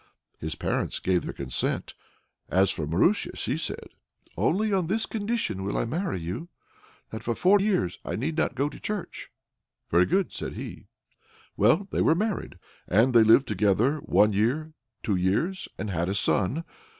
His parents gave their consent. As for Marusia, she said: "Only on this condition will I marry you that for four years I need not go to church." "Very good," said he. Well, they were married, and they lived together one year, two years, and had a son.